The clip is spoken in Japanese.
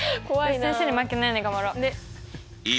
よし先生に負けないように頑張ろう。